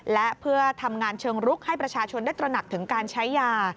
และเพื่อทำงานเชิงรุกให้ประชาชนได้ตระหนักถึงการใช้ยา